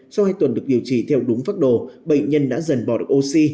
sau hai tuần được điều trị theo đúng pháp đồ bệnh nhân đã dần bỏ được oxy